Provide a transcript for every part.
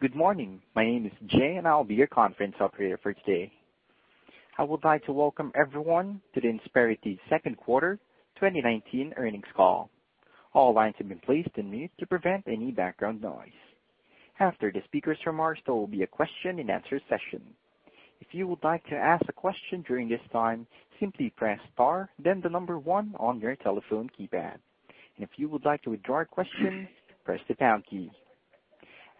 Good morning. My name is Jay, and I'll be your conference operator for today. I would like to welcome everyone to the Insperity Q2 2019 earnings call. All lines have been placed on mute to prevent any background noise. After the speaker's remarks, there will be a Q&A session. If you would like to ask a question during this time, simply press star, then the number one on your telephone keypad. If you would like to withdraw a question, press the pound key.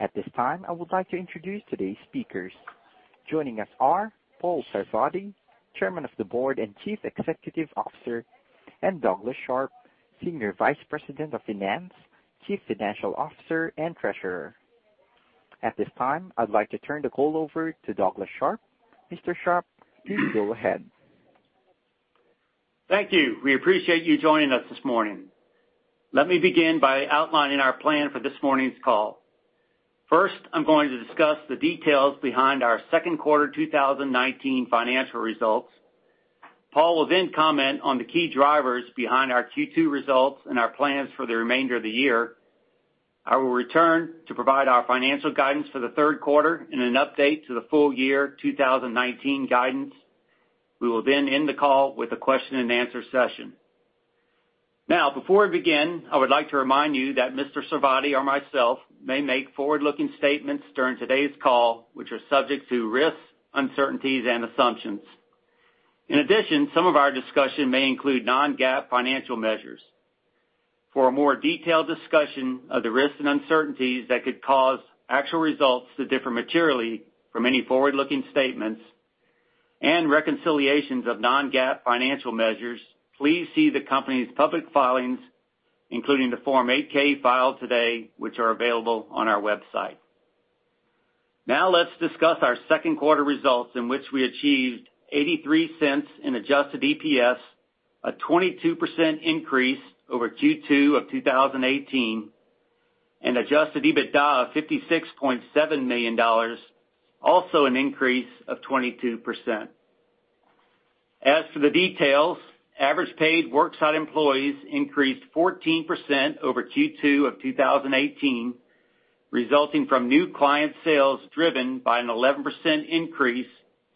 At this time, I would like to introduce today's speakers. Joining us are Paul Sarvadi, Chairman of the Board and Chief Executive Officer, and Douglas Sharp, Senior Vice President of Finance, Chief Financial Officer, and Treasurer. At this time, I'd like to turn the call over to Douglas Sharp. Mr. Sharp, please go ahead. Thank you. We appreciate you joining us this morning. Let me begin by outlining our plan for this morning's call. First, I'm going to discuss the details behind our second quarter 2019 financial results. Paul will then comment on the key drivers behind our Q2 results and our plans for the remainder of the year. I will return to provide our financial guidance for third quarter and an update to the full-year 2019 guidance. We will then end the call with a Q&A session. Before we begin, I would like to remind you that Mr. Sarvadi or myself may make forward-looking statements during today's call, which are subject to risks, uncertainties, and assumptions. In addition, some of our discussion may include non-GAAP financial measures. For a more detailed discussion of the risks and uncertainties that could cause actual results to differ materially from any forward-looking statements and reconciliations of non-GAAP financial measures, please see the company's public filings, including the Form 8-K filed today, which are available on our website. Let's discuss our second quarter results, in which we achieved $0.83 in adjusted EPS, a 22% increase over Q2 of 2018, and adjusted EBITDA of $56.7 million, also an increase of 22%. As for the details, average paid worksite employees increased 14% over Q2 of 2018, resulting from new client sales driven by an 11% increase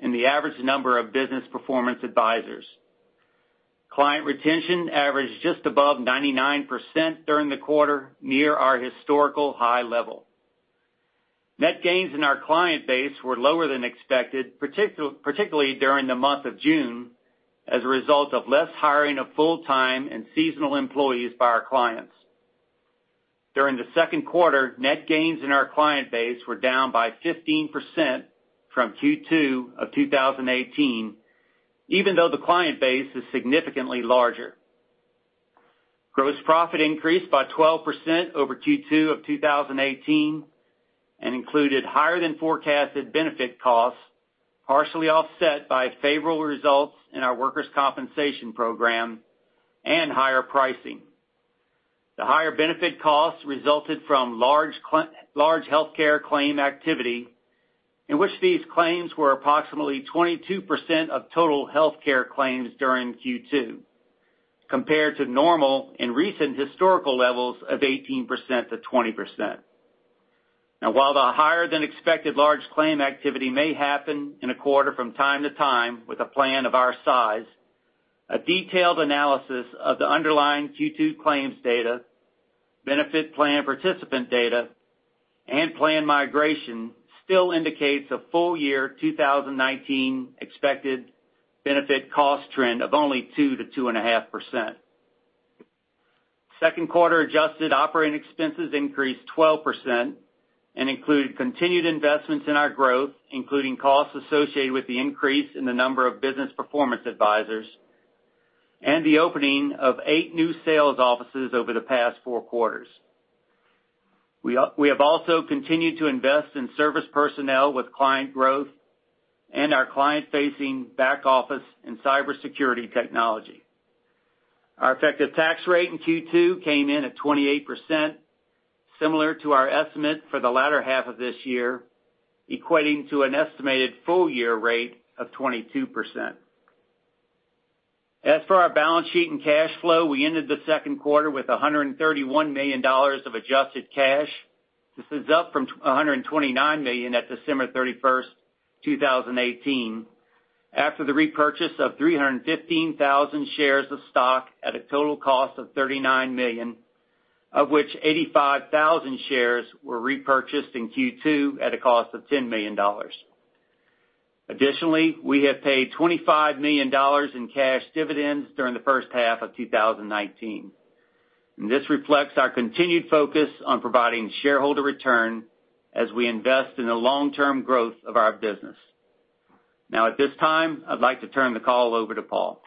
in the average number of business performance advisors. Client retention averaged just above 99% during the quarter, near our historical high level. Net gains in our client base were lower than expected, particularly during the month of June, as a result of less hiring of full-time and seasonal employees by our clients. During the second quarter, net gains in our client base were down by 15% from Q2 of 2018, even though the client base is significantly larger. Gross profit increased by 12% over Q2 of 2018 and included higher-than-forecasted benefit costs, partially offset by favorable results in our workers' compensation program and higher pricing. The higher benefit costs resulted from large healthcare claim activity, in which these claims were approximately 22% of total healthcare claims during Q2, compared to normal and recent historical levels of 18%-20%. While the higher-than-expected large claim activity may happen in a quarter from time to time with a plan of our size, a detailed analysis of the underlying Q2 claims data, benefit plan participant data, and plan migration still indicates a full-year 2019 expected benefit cost trend of only 2%-2.5%. Second quarter adjusted operating expenses increased 12% and included continued investments in our growth, including costs associated with the increase in the number of business performance advisors and the opening of eight new sales offices over the past four quarters. We have also continued to invest in service personnel with client growth and our client-facing back office and cybersecurity technology. Our effective tax rate in Q2 came in at 28%, similar to our estimate for the latter half of this year, equating to an estimated full-year rate of 22%. As for our balance sheet and cash flow, we ended the second quarter with $131 million of adjusted cash. This is up from $129 million at December 31st, 2018, after the repurchase of 315,000 shares of stock at a total cost of $39 million, of which 85,000 shares were repurchased in Q2 at a cost of $10 million. We have paid $25 million in cash dividends during the first half of 2019, and this reflects our continued focus on providing shareholder return as we invest in the long-term growth of our business. At this time, I'd like to turn the call over to Paul.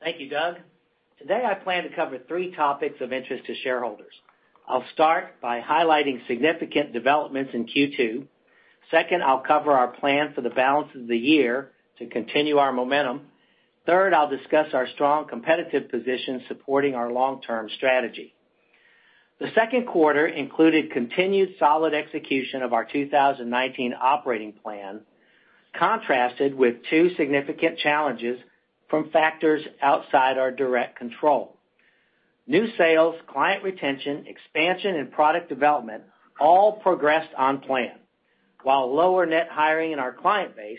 Thank you, Doug. Today I plan to cover three topics of interest to shareholders. I'll start by highlighting significant developments in Q2. I'll cover our plan for the balance of the year to continue our momentum. I'll discuss our strong competitive position supporting our long-term strategy. The Q2 included continued solid execution of our 2019 operating plan, contrasted with two significant challenges from factors outside our direct control. New sales, client retention, expansion, and product development all progressed on plan, while lower net hiring in our client base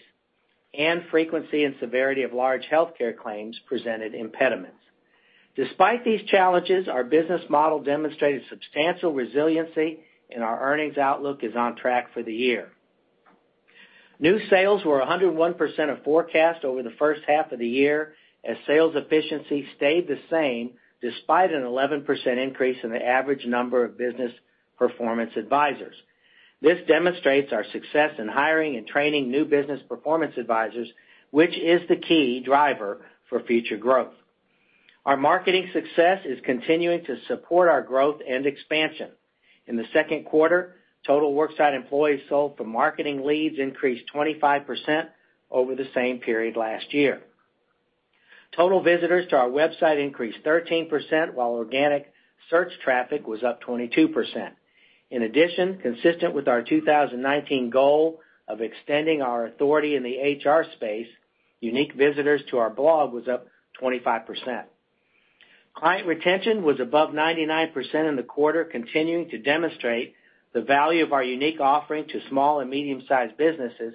and frequency and severity of large healthcare claims presented impediments. Despite these challenges, our business model demonstrated substantial resiliency, and our earnings outlook is on track for the year. New sales were 101% of forecast over the first half of the year, as sales efficiency stayed the same despite an 11% increase in the average number of business performance advisors. This demonstrates our success in hiring and training new business performance advisors, which is the key driver for future growth. Our marketing success is continuing to support our growth and expansion. In the second quarte, total worksite employees sold for marketing leads increased 25% over the same period last year. Total visitors to our website increased 13%, while organic search traffic was up 22%. Consistent with our 2019 goal of extending our authority in the HR space, unique visitors to our blog was up 25%. Client retention was above 99% in the quarter, continuing to demonstrate the value of our unique offering to small and medium-sized businesses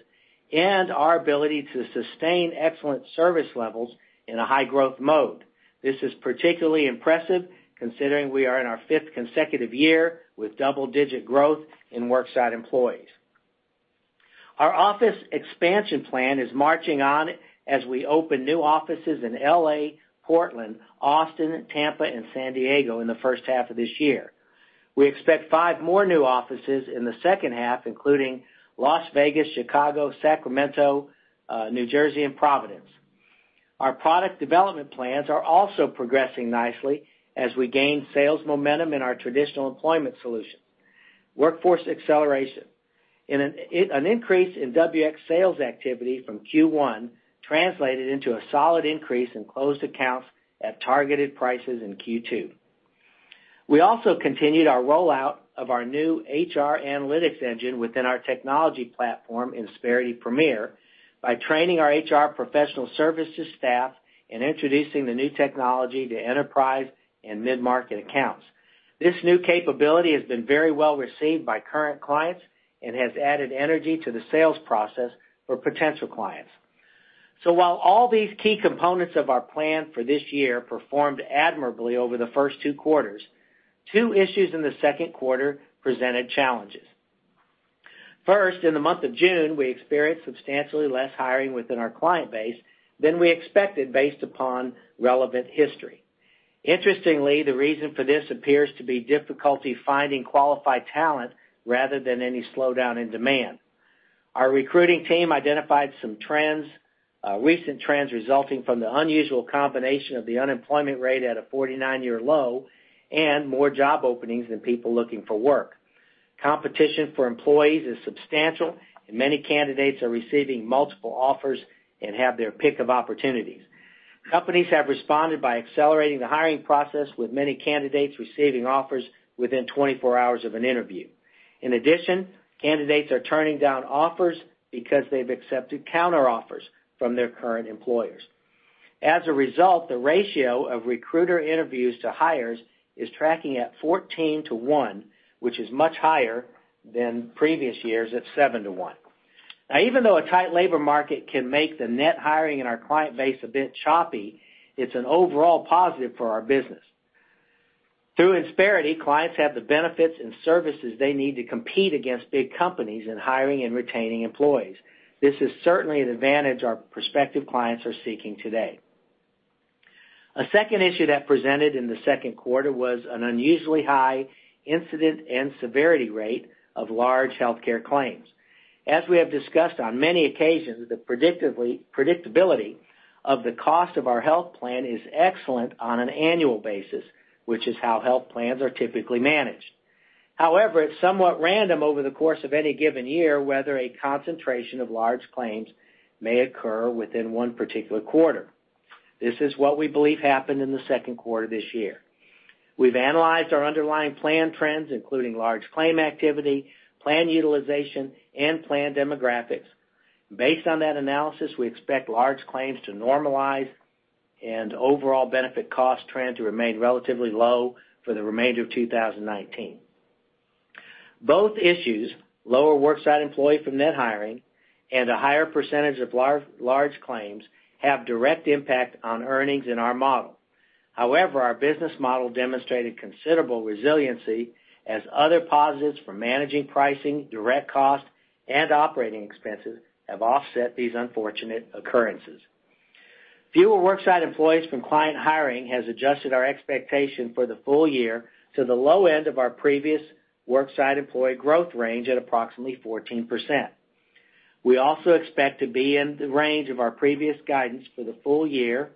and our ability to sustain excellent service levels in a high-growth mode. This is particularly impressive considering we are in our fifth consecutive year with double-digit growth in worksite employees. Our office expansion plan is marching on as we open new offices in L.A., Portland, Austin, Tampa, and San Diego in the first half of this year. We expect five more new offices in the second half, including Las Vegas, Chicago, Sacramento, New Jersey, and Providence. Our product development plans are also progressing nicely as we gain sales momentum in our traditional employment solutions. Workforce Acceleration: an increase in WX sales activity from Q1 translated into a solid increase in closed accounts at targeted prices in Q2. We also continued our rollout of our new HR analytics engine within our technology platform, Insperity Premier, by training our HR professional services staff and introducing the new technology to enterprise and mid-market accounts. This new capability has been very well received by current clients and has added energy to the sales process for potential clients. While all these key components of our plan for this year performed admirably over the first two quarters, two issues in the second quarter presented challenges. First, in the month of June, we experienced substantially less hiring within our client base than we expected based upon relevant history. Interestingly, the reason for this appears to be difficulty finding qualified talent rather than any slowdown in demand. Our recruiting team identified some trends, recent trends resulting from the unusual combination of the unemployment rate at a 49-year low and more job openings than people looking for work. Competition for employees is substantial, and many candidates are receiving multiple offers and have their pick of opportunities. Companies have responded by accelerating the hiring process, with many candidates receiving offers within 24 hours of an interview. In addition, candidates are turning down offers because they've accepted counteroffers from their current employers. As a result, the ratio of recruiter interviews to hires is tracking at 14:1, which is much higher than previous years at 7:1. Even though a tight labor market can make the net hiring in our client base a bit choppy, it's an overall positive for our business. Through Insperity, clients have the benefits and services they need to compete against big companies in hiring and retaining employees. This is certainly an advantage our prospective clients are seeking today. A second issue that presented in the second quarter was an unusually high incident and severity rate of large healthcare claims. As we have discussed on many occasions, the predictability of the cost of our health plan is excellent on an annual basis, which is how health plans are typically managed. However, it's somewhat random over the course of any given year whether a concentration of large claims may occur within one particular quarter. This is what we believe happened in the second quarter this year. We've analyzed our underlying plan trends, including large claim activity, plan utilization, and plan demographics. Based on that analysis, we expect large claims to normalize and overall benefit cost trend to remain relatively low for the remainder of 2019. Both issues, lower worksite employee from net hiring and a higher percentage of large claims, have direct impact on earnings in our model. However, our business model demonstrated considerable resiliency, as other positives from managing pricing, direct cost, and operating expenses have offset these unfortunate occurrences. Fewer worksite employees from client hiring has adjusted our expectation for the full year to the low end of our previous worksite employee growth range at approximately 14%. We also expect to be in the range of our previous guidance for the full year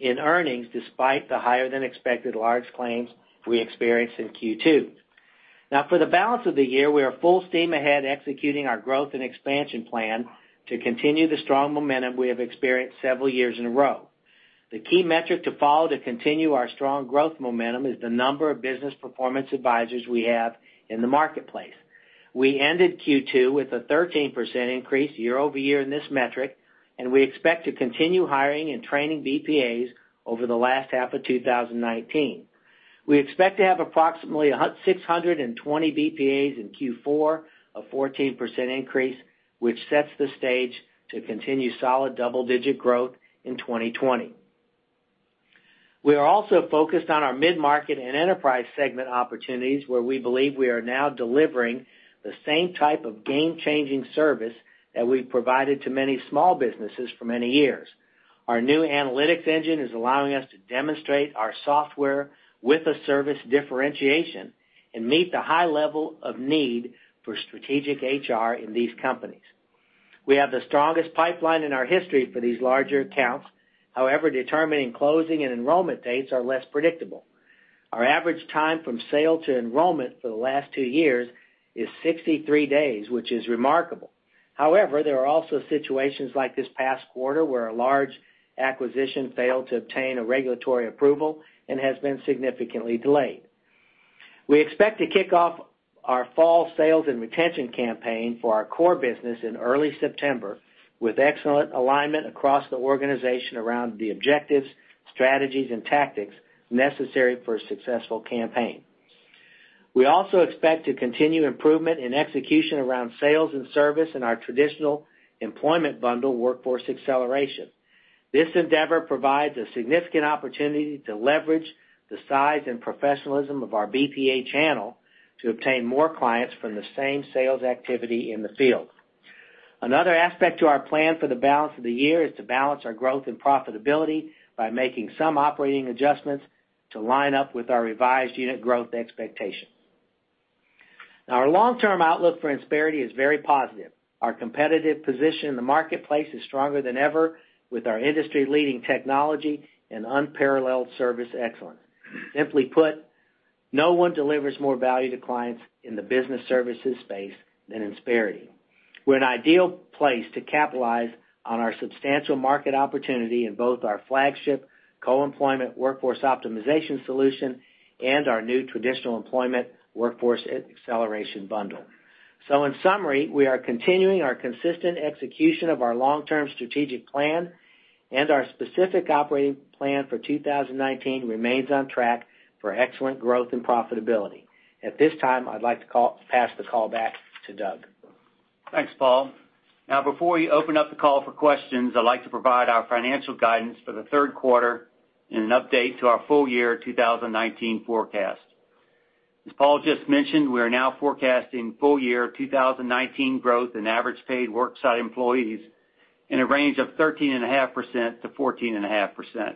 in earnings, despite the higher-than-expected large claims we experienced in Q2. For the balance of the year, we are full steam ahead executing our growth and expansion plan to continue the strong momentum we have experienced several years in a row. The key metric to follow to continue our strong growth momentum is the number of business performance advisors we have in the marketplace. We ended Q2 with a 13% increase year-over-year in this metric, and we expect to continue hiring and training BPAs over the last half of 2019. We expect to have approximately 620 BPAs in Q4, a 14% increase, which sets the stage to continue solid double-digit growth in 2020. We are also focused on our mid-market and enterprise segment opportunities, where we believe we are now delivering the same type of game-changing service that we've provided to many small businesses for many years. Our new analytics engine is allowing us to demonstrate our software with a service differentiation and meet the high level of need for strategic HR in these companies. We have the strongest pipeline in our history for these larger accounts. Determining closing and enrollment dates are less predictable. Our average time from sale to enrollment for the last two years is 63 days, which is remarkable. There are also situations like this past quarter where a large acquisition failed to obtain a regulatory approval and has been significantly delayed. We expect to kick off our fall sales and retention campaign for our core business in early September, with excellent alignment across the organization around the objectives, strategies, and tactics necessary for a successful campaign. We also expect to continue improvement in execution around sales and service in our traditional employment bundle Workforce Acceleration. This endeavor provides a significant opportunity to leverage the size and professionalism of our BPA channel to obtain more clients from the same sales activity in the field. Another aspect to our plan for the balance of the year is to balance our growth and profitability by making some operating adjustments to line up with our revised unit growth expectation. Our long-term outlook for Insperity is very positive. Our competitive position in the marketplace is stronger than ever, with our industry-leading technology and unparalleled service excellence. Simply put, no one delivers more value to clients in the business services space than Insperity. We're an ideal place to capitalize on our substantial market opportunity in both our flagship co-employment Workforce Optimization solution and our new traditional employment Workforce Acceleration bundle. In summary, we are continuing our consistent execution of our long-term strategic plan, and our specific operating plan for 2019 remains on track for excellent growth and profitability. At this time, I'd like to pass the call back to Doug. Thanks, Paul. Before we open up the call for questions, I'd like to provide our financial guidance for the third quarter and an update to our full-year 2019 forecast. As Paul just mentioned, we are now forecasting full-year 2019 growth in average paid Worksite Employees in a range of 13.5%-14.5%.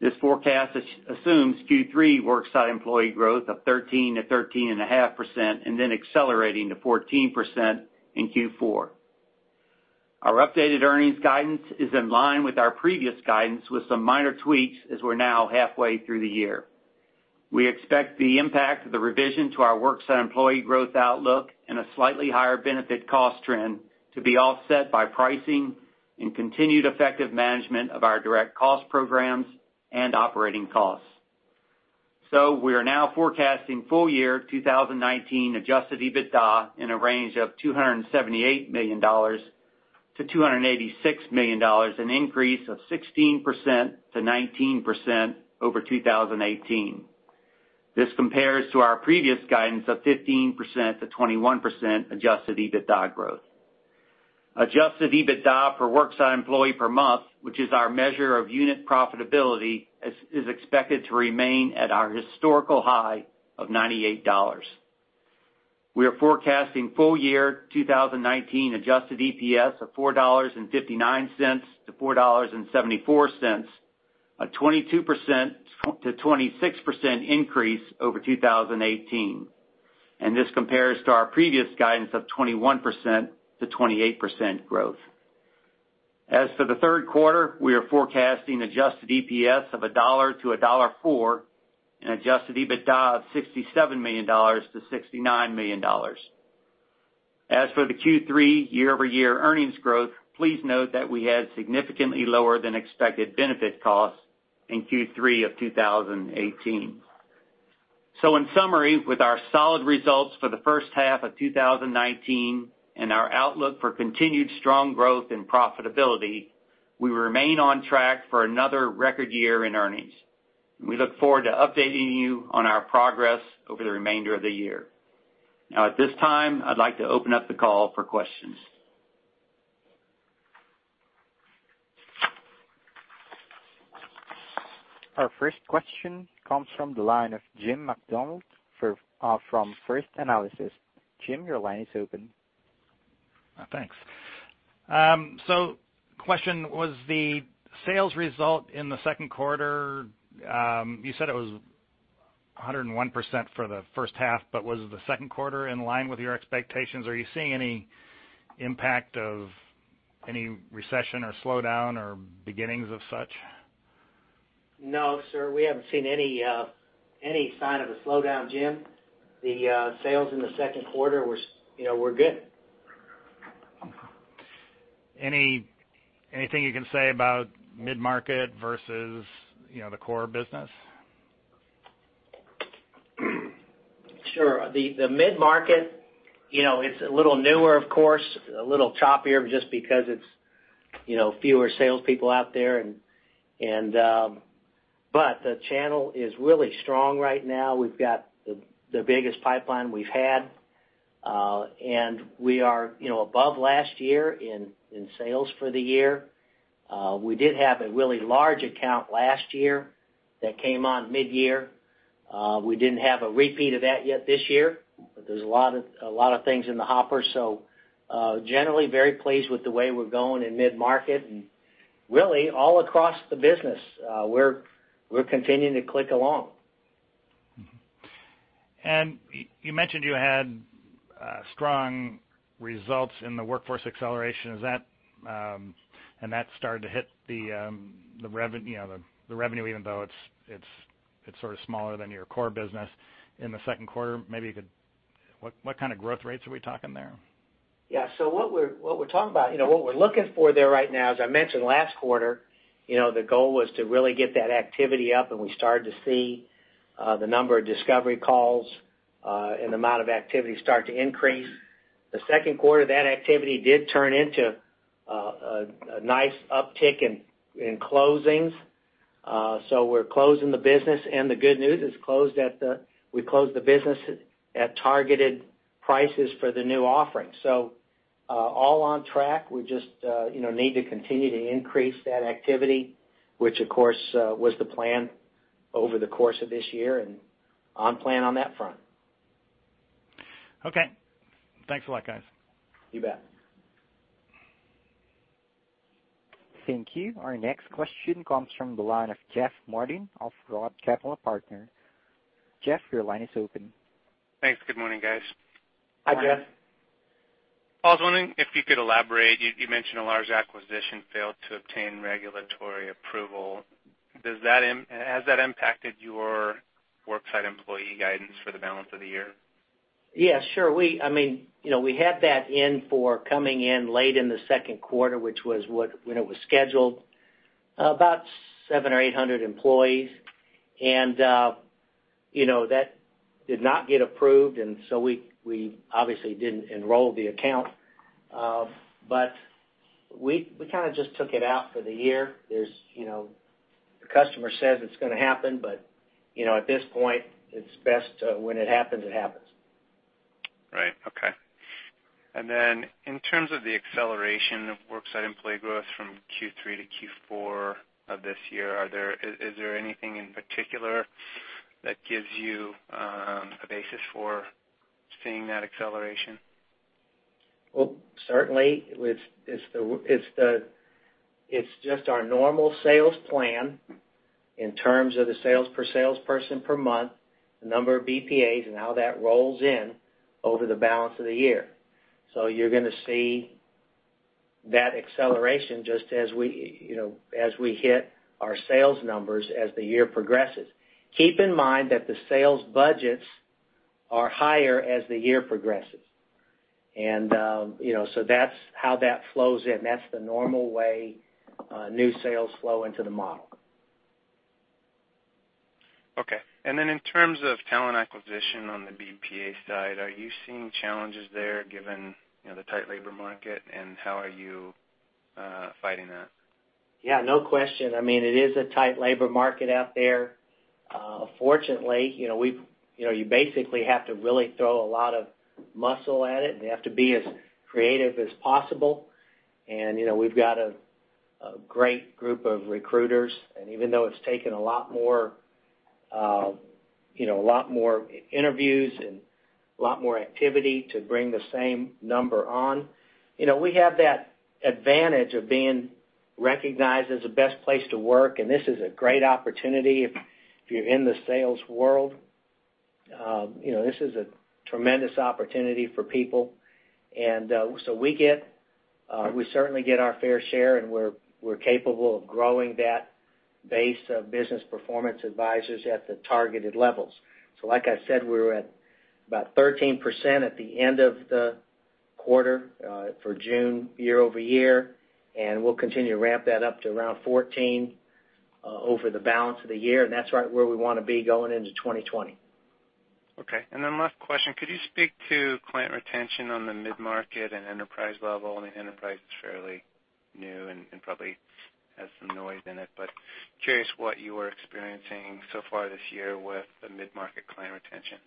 This forecast assumes Q3 Worksite Employee growth of 13%-13.5% and then accelerating to 14% in Q4. Our updated earnings guidance is in line with our previous guidance, with some minor tweaks as we're now halfway through the year. We expect the impact of the revision to our Worksite Employee growth outlook and a slightly higher benefit cost trend to be offset by pricing and continued effective management of our direct cost programs and operating costs. We are now forecasting full-year 2019 adjusted EBITDA in a range of $278 million-$286 million, an increase of 16%-19% over 2018. This compares to our previous guidance of 15%-21% adjusted EBITDA growth. Adjusted EBITDA per Worksite Employee per month, which is our measure of unit profitability, is expected to remain at our historical high of $98. We are forecasting full-year 2019 adjusted EPS of $4.59-$4.74, a 22%-26% increase over 2018. This compares to our previous guidance of 21%-28% growth. As for the third quarter, we are forecasting adjusted EPS of $1-$1.04 and adjusted EBITDA of $67 million-$69 million. As for the Q3 year-over-year earnings growth, please note that we had significantly lower than expected benefit costs in Q3 of 2018. In summary, with our solid results for the first half of 2019 and our outlook for continued strong growth and profitability, we remain on track for another record year in earnings. We look forward to updating you on our progress over the remainder of the year. At this time, I'd like to open up the call for questions. Our first question comes from the line of Jim Macdonald from First Analysis. Jim, your line is open. Thanks. Question: Was the sales result in the second quarter you said it was 101% for the first half, but was the second quarter in line with your expectations? Are you seeing any impact of any recession or slowdown or beginnings of such? No, sir. We haven't seen any sign of a slowdown, Jim. The sales in the second quarter were good. Anything you can say about mid-market versus the core business? Sure. The mid-market, it's a little newer, of course, a little choppier just because it's fewer salespeople out there. The channel is really strong right now. We've got the biggest pipeline we've had, we are above last year in sales for the year. We did have a really large account last year that came on mid-year. We didn't have a repeat of that yet this year, but there's a lot of things in the hopper. Generally, very pleased with the way we're going in mid-market. Really, all across the business, we're continuing to click along. You mentioned you had strong results in the Workforce Acceleration. That started to hit the revenue, even though it's sort of smaller than your core business. In the second quarter, maybe you could what kind of growth rates are we talking there? What we're talking about, what we're looking for there right now, as I mentioned last quarter, the goal was to really get that activity up. We started to see the number of discovery calls and the amount of activity start to increase. The second quarter, that activity did turn into a nice uptick in closings. We're closing the business. The good news is we closed the business at targeted prices for the new offering. All on track. We just need to continue to increase that activity, which, of course, was the plan over the course of this year and on plan on that front. Thanks a lot, guys. You bet. Thank you. Our next question comes from the line of Jeff Martin of Roth Capital Partners. Jeff, your line is open. Thanks. Good morning, guys. Hi, Jeff. Paul, I was wondering if you could elaborate. You mentioned a large acquisition failed to obtain regulatory approval. Has that impacted your worksite employee guidance for the balance of the year? Yeah, sure. I mean, we had that in for coming in late in the second quarter, which was when it was scheduled, about 700 or 800 employees. That did not get approved, we obviously didn't enroll the account. We kind of just took it out for the year. The customer says it's going to happen, at this point, it's best when it happens, it happens. Right. Okay. In terms of the acceleration of worksite employee growth from Q3 to Q4 of this year, is there anything in particular that gives you a basis for seeing that acceleration? Well, certainly, it's just our normal sales plan in terms of the sales per salesperson per month, the number of BPAs, and how that rolls in over the balance of the year. You're going to see that acceleration just as we hit our sales numbers as the year progresses. Keep in mind that the sales budgets are higher as the year progresses. That's how that flows in. That's the normal way new sales flow into the model. Okay. In terms of talent acquisition on the BPA side, are you seeing challenges there given the tight labor market? How are you fighting that? No question. I mean, it is a tight labor market out there. Fortunately, you basically have to really throw a lot of muscle at it, and you have to be as creative as possible. We've got a great group of recruiters. Even though it's taken a lot more interviews and a lot more activity to bring the same number on, we have that advantage of being recognized as the best place to work. This is a great opportunity if you're in the sales world. This is a tremendous opportunity for people. We certainly get our fair share, and we're capable of growing that base of business performance advisors at the targeted levels. Like I said, we were at about 13% at the end of the quarter for June year-over-year, and we'll continue to ramp that up to around 14 over the balance of the year. That's right where we want to be going into 2020. Okay. Last question, could you speak to client retention on the mid-market and enterprise level? I mean, enterprise is fairly new and probably has some noise in it, but curious what you were experiencing so far this year with the mid-market client retention.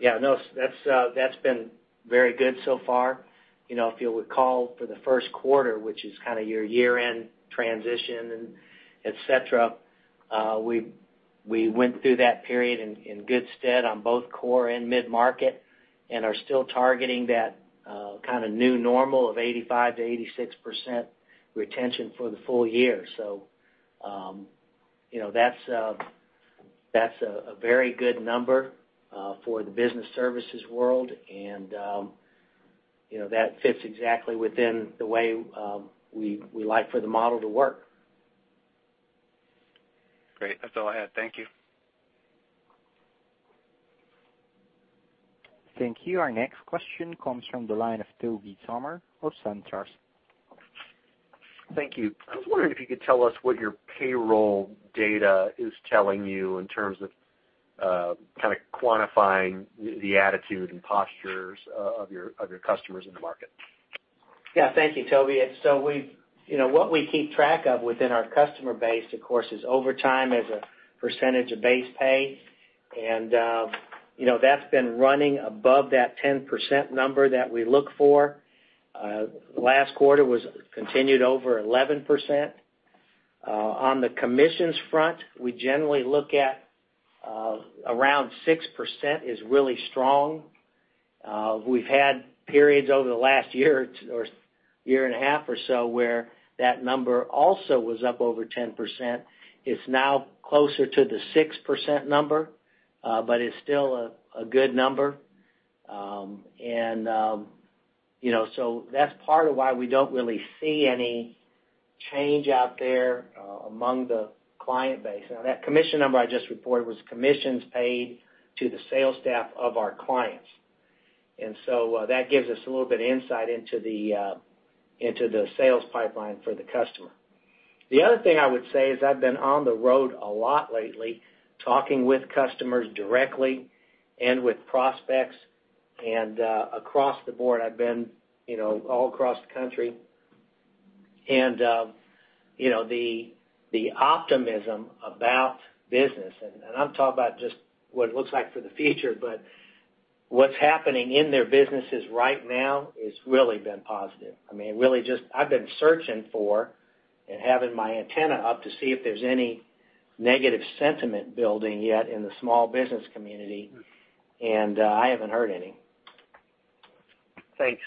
No. That's been very good so far. If you recall for the first quarter, which is kind of your year-end transition and etc., we went through that period in good stead on both core and mid-market and are still targeting that kind of new normal of 85%-86% retention for the full year. That's a very good number for the business services world, and that fits exactly within the way we like for the model to work. Great. That's all I had. Thank you. Thank you. Our next question comes from the line of Tobey Sommer of SunTrust. Thank you. I was wondering if you could tell us what your payroll data is telling you in terms of kind of quantifying the attitude and postures of your customers in the market. Yeah, thank you, Tobey. What we keep track of within our customer base, of course, is overtime as a percentage of base pay. That's been running above that 10% number that we look for. Last quarter continued over 11%. On the commissions front, we generally look at around 6% is really strong. We've had periods over the last year and a half or so where that number also was up over 10%. It's now closer to the 6% number, but it's still a good number. That's part of why we don't really see any change out there among the client base. Now, that commission number I just reported was commissions paid to the sales staff of our clients. That gives us a little bit of insight into the sales pipeline for the customer. The other thing I would say is I've been on the road a lot lately, talking with customers directly and with prospects. Across the board, I've been all across the country. The optimism about business, I'm talking about just what it looks like for the future, but what's happening in their businesses right now has really been positive. I mean, I've been searching for and having my antenna up to see if there's any negative sentiment building yet in the small business community, and I haven't heard any. Thanks.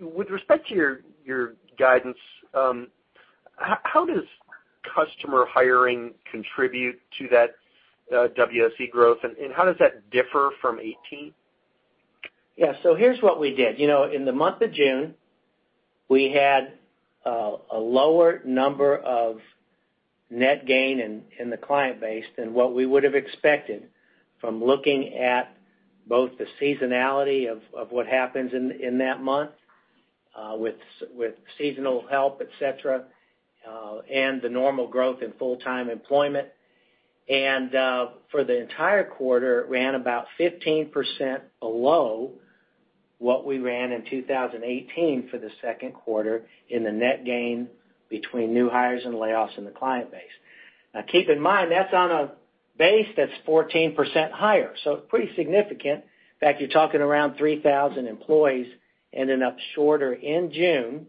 With respect to your guidance, how does customer hiring contribute to that WSE growth? How does that differ from 2018? Here's what we did. In the month of June, we had a lower number of net gain in the client base than what we would have expected from looking at both the seasonality of what happens in that month with seasonal help, etc., and the normal growth in full-time employment. For the entire quarter, it ran about 15% below what we ran in 2018 for the second quarter in the net gain between new hires and layoffs in the client base. Now, keep in mind, that's on a base that's 14% higher. It's pretty significant. In fact, you're talking around 3,000 employees ending up shorter in June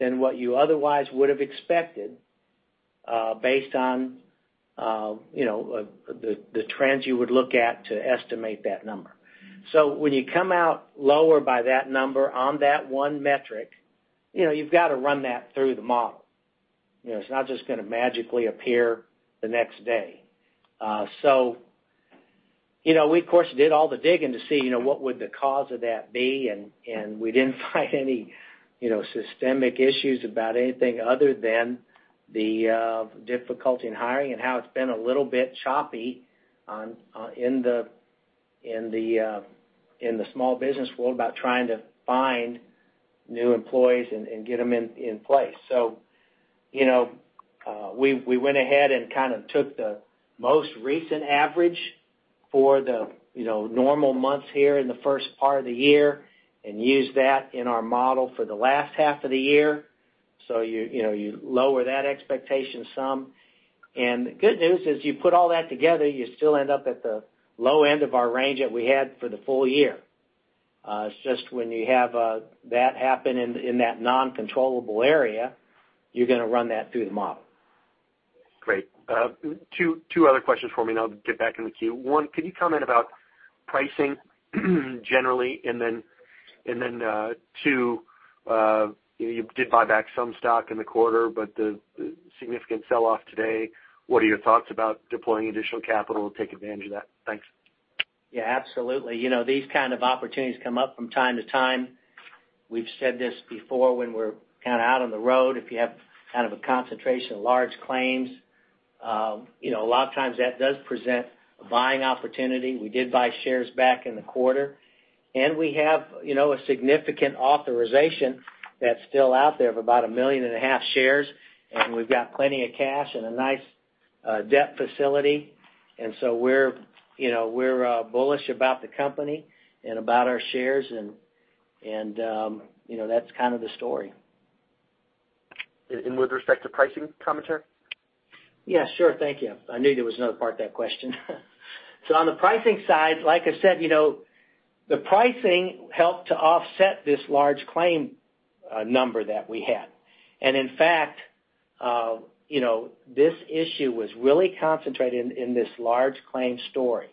than what you otherwise would have expected based on the trends you would look at to estimate that number. When you come out lower by that number on that one metric, you've got to run that through the model. It's not just going to magically appear the next day. We, of course, did all the digging to see what would the cause of that be, and we didn't find any systemic issues about anything other than the difficulty in hiring and how it's been a little bit choppy in the small business world about trying to find new employees and get them in place. We went ahead and kind of took the most recent average for the normal months here in the first part of the year and used that in our model for the last half of the year. You lower that expectation some. The good news is you put all that together, you still end up at the low end of our range that we had for the full year. It's just when you have that happen in that non-controllable area, you're going to run that through the model. Great. Two other questions for me, I'll get back in the queue. One, could you comment about pricing generally? Then, two, you did buy back some stock in the quarter, but the significant sell-off today, what are your thoughts about deploying additional capital to take advantage of that? Thanks. Yeah, absolutely. These kind of opportunities come up from time to time. We've said this before when we're kind of out on the road. If you have kind of a concentration of large claims, a lot of times that does present a buying opportunity. We did buy shares back in the quarter. We have a significant authorization that's still out there of about 1.5 million shares. We've got plenty of cash and a nice debt facility. We're bullish about the company and about our shares. That's kind of the story. With respect to pricing, commentary? Yeah, sure. Thank you. I knew there was another part of that question. On the pricing side, like I said, the pricing helped to offset this large claim number that we had. In fact, this issue was really concentrated in this large claim story.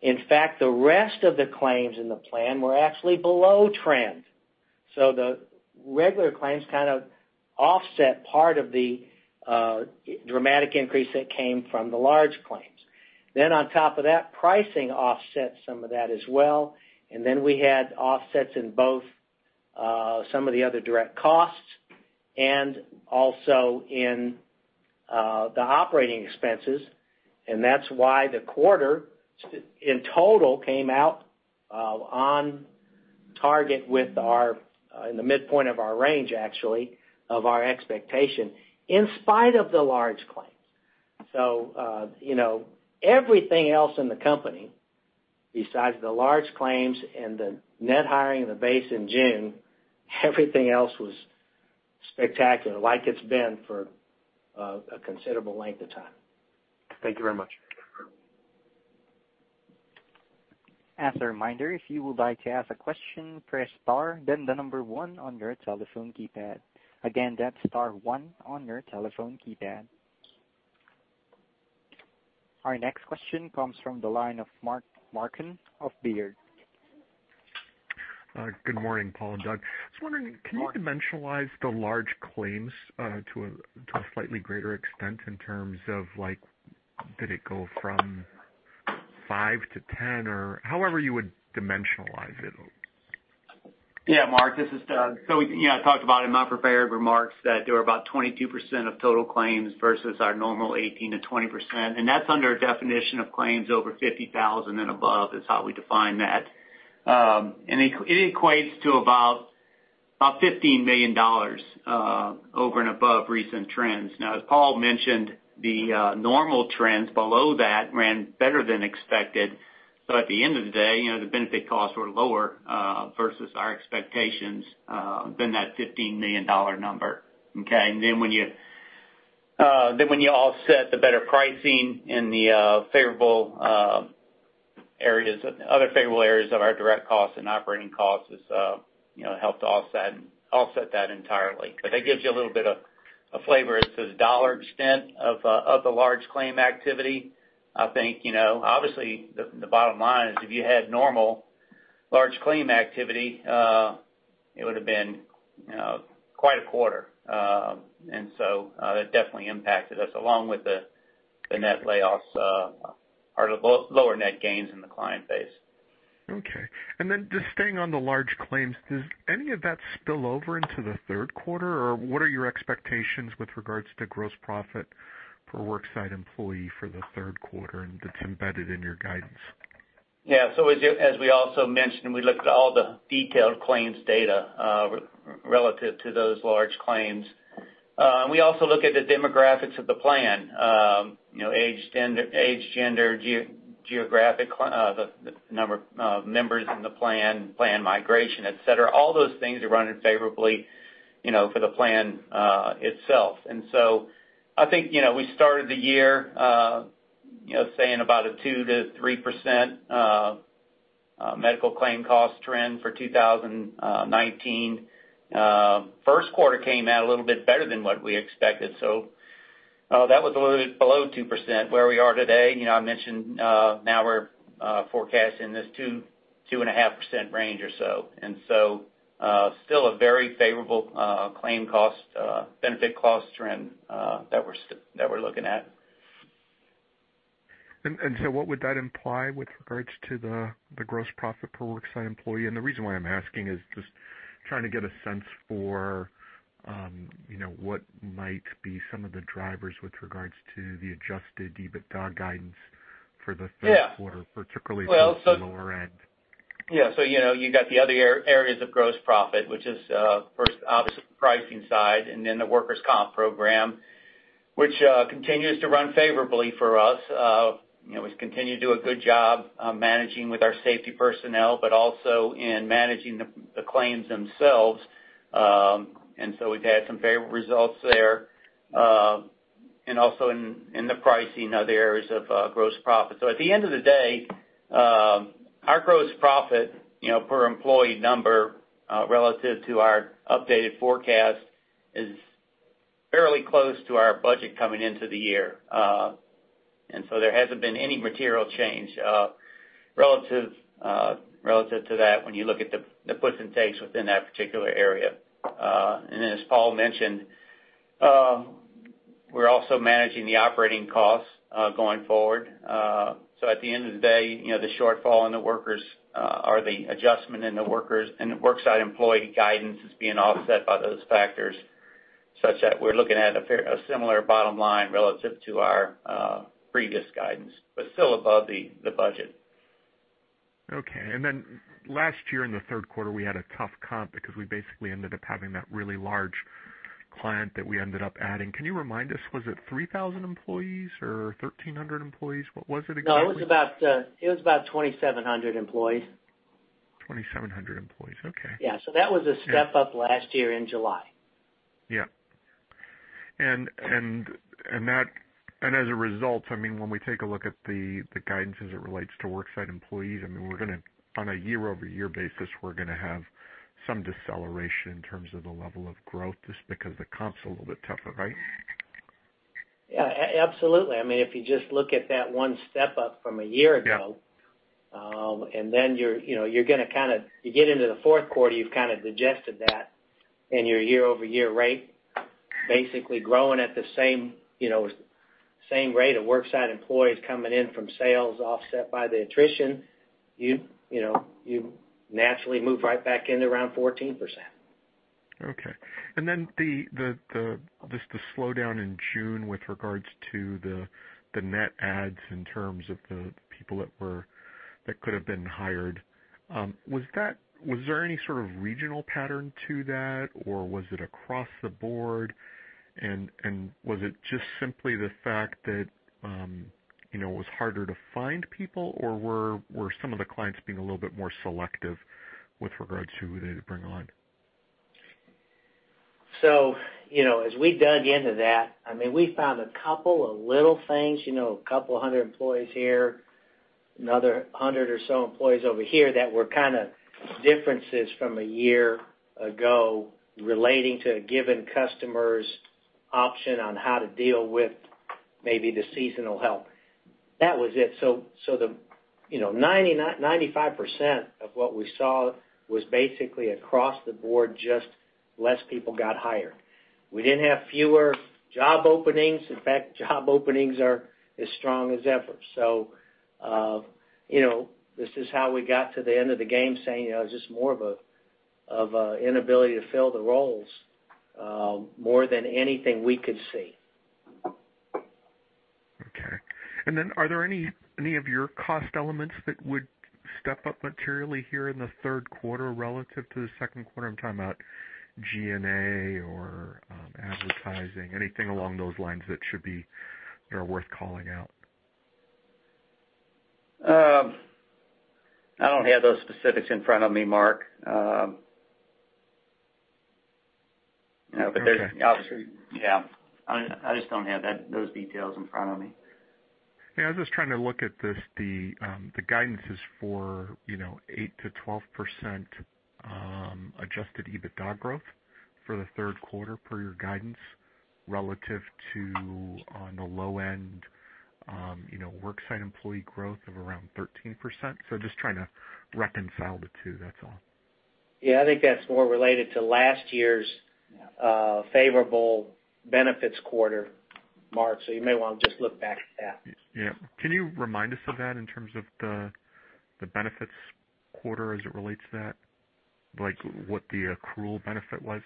In fact, the rest of the claims in the plan were actually below trend. The regular claims kind of offset part of the dramatic increase that came from the large claims. On top of that, pricing offset some of that as well. We had offsets in both some of the other direct costs and also in the operating expenses. That's why the quarter, in total, came out on target with our in the midpoint of our range, actually, of our expectation in spite of the large claims. Everything else in the company besides the large claims and the net hiring and the base in June, everything else was spectacular like it's been for a considerable length of time. Thank you very much. As a reminder, if you would like to ask a question, press star, then the number one on your telephone keypad. Again, that's star one on your telephone keypad. Our next question comes from the line of Mark Marcon of Baird. Good morning, Paul and Doug. I was wondering, can you dimensionalize the large claims to a slightly greater extent in terms of, did it go from 5-10 or however you would dimensionalize it? Yeah, Mark, this is Doug. We talked about in my prepared remarks that there were about 22% of total claims versus our normal 18%-20%. That's under a definition of claims over 50,000 and above is how we define that. It equates to about $15 million over and above recent trends. Now, as Paul mentioned, the normal trends below that ran better than expected. At the end of the day, the benefit costs were lower versus our expectations than that $15 million number. Okay? When you offset the better pricing in the favorable areas, other favorable areas of our direct costs and operating costs, it helped offset that entirely. That gives you a little bit of flavor. It's a dollar extent of the large claim activity. I think, obviously, the bottom line is if you had normal large claim activity, it would have been quite a quarter. That definitely impacted us along with the net layoffs or the lower net gains in the client base. Okay. Just staying on the large claims, does any of that spill over into the third quarter? Or what are your expectations with regards to gross profit per worksite employee for the third quarter that's embedded in your guidance? As we also mentioned, we looked at all the detailed claims data relative to those large claims. We also look at the demographics of the plan: age, gender, geographic, the number of members in the plan migration, etc. All those things are running favorably for the plan itself. I think we started the year saying about a 2%-3% medical claim cost trend for 2019. First quarter came out a little bit better than what we expected. That was a little bit below 2%. Where we are today, I mentioned now we're forecasting this 2.5% range or so. Still a very favorable claim cost benefit cost trend that we're looking at. What would that imply with regards to the gross profit per worksite employee? The reason why I'm asking is just trying to get a sense for what might be some of the drivers with regards to the adjusted EBITDA guidance for the third quarter, particularly for the lower end. You've got the other areas of gross profit, which is first, obviously, the pricing side, and then the workers' comp program, which continues to run favorably for us. We continue to do a good job managing with our safety personnel, but also in managing the claims themselves. We've had some favorable results there. Also, in the pricing, other areas of gross profit. At the end of the day, our gross profit per employee number relative to our updated forecast is fairly close to our budget coming into the year. There hasn't been any material change relative to that when you look at the puts and takes within that particular area. Then, as Paul mentioned, we're also managing the operating costs going forward. At the end of the day, the shortfall in the workers or the adjustment in the workers and worksite employee guidance is being offset by those factors, such that we're looking at a similar bottom line relative to our previous guidance, but still above the budget. Okay. Last year in the third quarter, we had a tough comp because we basically ended up having that really large client that we ended up adding. Can you remind us? Was it 3,000 employees or 1,300 employees? What was it exactly? No, it was about 2,700 employees. 2,700 employees. Okay. Yeah. That was a step up last year in July. As a result, I mean, when we take a look at the guidance as it relates to worksite employees, I mean, on a year-over-year basis, we're going to have some deceleration in terms of the level of growth just because the comp's a little bit tougher, right? Yeah, absolutely. I mean, if you just look at that one step up from a year ago, then you're going to kind of you get into the fourth quarter, you've kind of digested that in your year-over-year rate, basically growing at the same rate of worksite employees coming in from sales offset by the attrition, you naturally move right back in around 14%. Okay. Then, just the slowdown in June with regards to the net adds in terms of the people that could have been hired, was there any sort of regional pattern to that, or was it across the board? Was it just simply the fact that it was harder to find people, or were some of the clients being a little bit more selective with regards to who they bring on? As we dug into that, I mean, we found a couple of little things, a couple hundred employees here, another hundred or so employees over here that were kind of differences from a year ago relating to a given customer's option on how to deal with maybe the seasonal help. That was it. 95% of what we saw was basically across the board just less people got hired. We didn't have fewer job openings. In fact, job openings are as strong as ever. This is how we got to the end of the game saying it was just more of an inability to fill the roles more than anything we could see. Okay. Are there any of your cost elements that would step up materially here in the third quarter relative to the second quarter? I'm talking about G&A or advertising, anything along those lines that should be worth calling out. I don't have those specifics in front of me, Mark. There's, obviously, yeah. I just don't have those details in front of me. Yeah. I was just trying to look at the guidances for 8%-12% adjusted EBITDA growth for the third quarter per your guidance relative to the low-end worksite employee growth of around 13%. Just trying to reconcile the two. That's all. Yeah. I think that's more related to last year's favorable benefits quarter, Mark. You may want to just look back at that. Yeah. Can you remind us of that in terms of the benefits quarter as it relates to that, like what the accrual benefit was?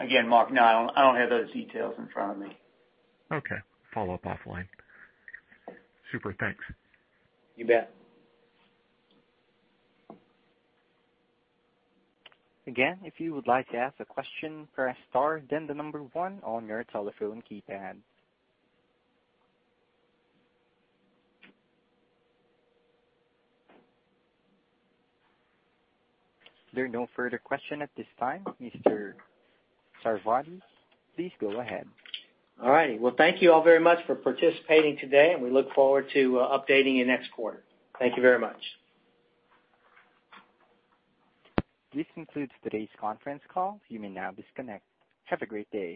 Again, Mark, no, I don't have those details in front of me. Okay. Follow up offline. Super. Thanks. You bet. If you would like to ask a question, press star, then the number one on your telephone keypad. There are no further questions at this time. Mr. Sarvadi, please go ahead. All righty. Well, thank you all very much for participating today. We look forward to updating you next quarter. Thank you very much. This concludes today's conference call. You may now disconnect. Have a great day.